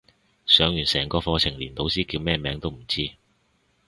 上完成個課程連老師叫咩名都唔知